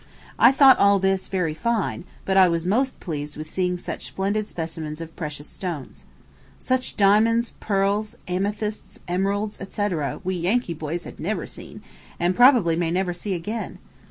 I thought all this very fine; but I was most pleased with seeing such splendid specimens of precious stones. Such diamonds, pearls, amethysts, emeralds, &c., &c., we Yankee boys had never seen, and probably may never see again.